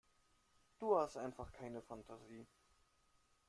Du hast einfach keine Fantasie.